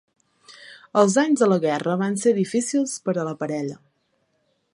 Els anys de la guerra van ser difícils per a la parella.